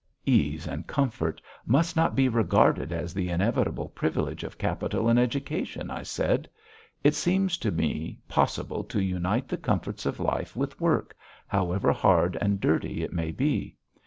"Ease and comfort must not be regarded as the inevitable privilege of capital and education," I said. "It seems to me possible to unite the comforts of life with work, however hard and dirty it may be.